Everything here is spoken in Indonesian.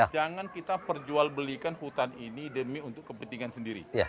jangan kita perjual belikan hutan ini demi kepentingan